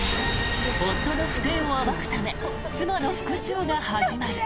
夫の不貞を暴くため妻の復しゅうが始まる。